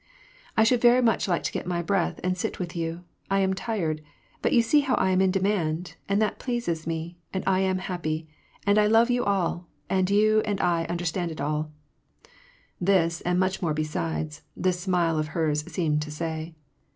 '< I should like very much to get my breath, and sit with you, — I am tired, — but you see how I am in demand ; and that pleases me, and I am happy, and I love you all, and you and I understand it all :" this, and much more besides, this smile of hers seemed to say.